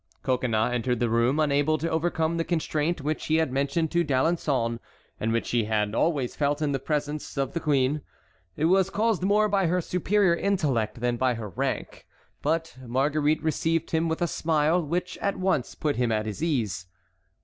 Coconnas entered the room, unable to overcome the constraint which he had mentioned to D'Alençon, and which he had always felt in the presence of the queen. It was caused more by her superior intellect than by her rank. But Marguerite received him with a smile which at once put him at his ease.